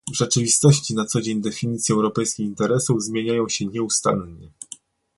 W rzeczywistości na co dzień definicje europejskich interesów zmieniają się nieustannie